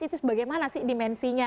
itu bagaimana sih dimensinya